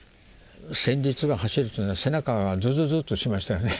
戦慄が走るというか背中がズズズッとしましたよね。